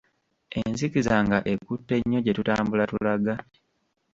Enzikiza nga ekutte nnyo gye tutambula tulaga?